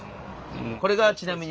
これがちなみに。